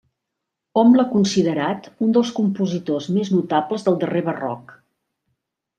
Hom l'ha considerat un dels compositors més notables del darrer Barroc.